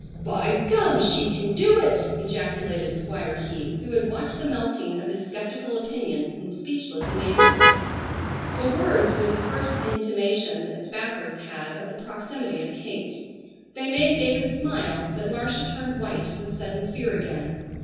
"By gum! She kin do it!" ejaculated Squire Heath, who had watched the melting of his skeptical opinions in speechless amazement. The words were the first intimation the Spaffords had of the proximity of Kate. They made David smile, but Marcia turned white with sudden fear again.